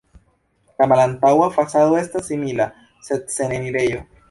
La malantaŭa fasado estas simila, sed sen enirejo.